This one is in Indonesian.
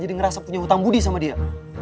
ngerasa punya hutang budi sama dia